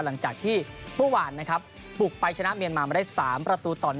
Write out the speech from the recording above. หลังจากที่เมื่อวานนะครับบุกไปชนะเมียนมามาได้๓ประตูต่อ๑